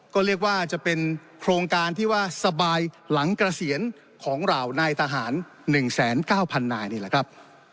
ก็เรียกว่าจะเป็นโครงการที่ว่าสบายหลังเกษียณของเหล่านายทหาร๑๙๐๐นายนี่แหละครับ